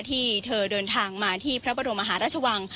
ที่เธอเดินทางมาที่พระบรมมหาราชวัง